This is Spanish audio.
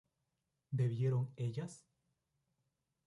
¿bebieron ellas?